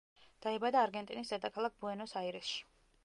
დაიბადა არგენტინის დედაქალაქ ბუენოს-აირესში.